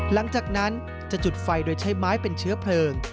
หลังจากนั้นจะจุดไฟโดยใช้ไม้เป็นเชื้อเพลิง